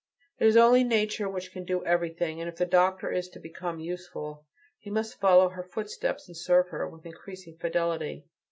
It is only Nature which can do everything, and if the doctor is to become useful he must follow in her footsteps and serve her with increasing fidelity.